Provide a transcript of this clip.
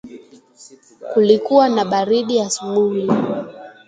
Kulikuwa na baridi asubuhi